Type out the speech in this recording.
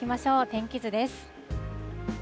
天気図です。